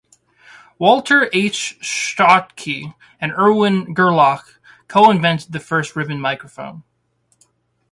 Walter H. Schottky and Erwin Gerlach co-invented the first ribbon microphone.